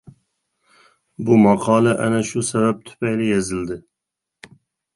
بۇ ماقالە ئەنە شۇ سەۋەب تۈپەيلى يېزىلدى.